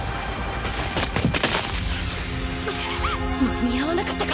間に合わなかったか！